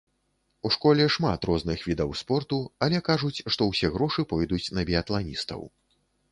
У школе шмат розных відаў спорту, але кажуць, што ўсе грошы пойдуць на біятланістаў.